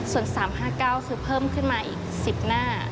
ส่วน๓๕๙คือเพิ่มขึ้นมาอีก๑๐หน้า